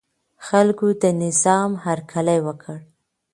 خلکو د نظام هرکلی وکړ.